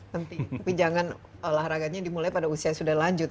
tapi jangan olahraganya dimulai pada usia sudah lanjut